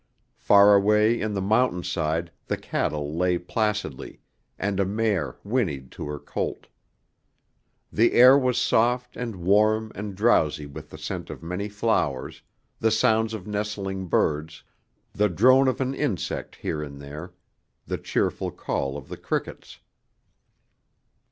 Far away on the mountain side the cattle lay placidly, and a mare whinnied to her colt. The air was soft and warm and drowsy with the scent of many flowers, the sounds of nestling birds, the drone of an insect here and there, the cheerful call of the crickets.